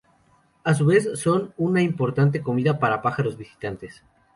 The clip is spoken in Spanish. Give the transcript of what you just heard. A su vez, son una importante comida para pájaros visitantes.